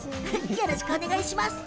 よろしくお願いします。